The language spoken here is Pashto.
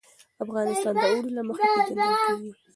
افغانستان د اوړي له مخې پېژندل کېږي.